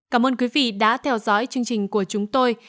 cảm ơn quý vị đã theo dõi chương trình của chúng tôi